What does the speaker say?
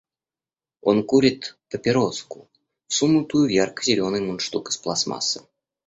Он курит папироску, всунутую в ярко-зеленый мундштук из пластмассы.